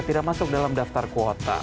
tidak masuk dalam daftar kuota